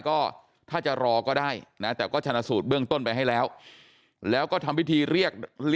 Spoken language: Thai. ก็ถ้าจะรอก็ได้